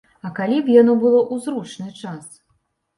А калі б яно было ў зручны час?